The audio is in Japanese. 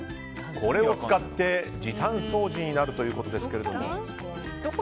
これを使って時短掃除になるということですが。